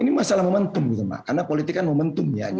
ini masalah momentum gitu mbak karena politik kan momentum ya gitu